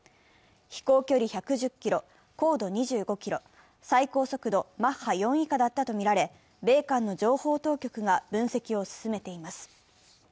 飛行距離１１０ｋｍ、高度２５ｋｍ、最高速度マッハ４以下だったとみられ、米韓の情報当局が分析を進めています。